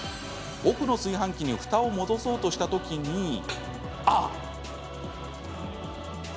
奥の炊飯器にふたを戻そうとした時にあっ！